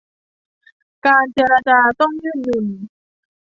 การเจรจาต้องยืดหยุ่น